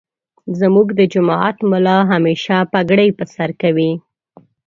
زمونږ دجماعت ملا همیشه پګړی پرسرکوی.